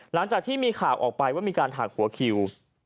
หลังจากที่มีข่าวออกไปว่ามีการหักหัวคิว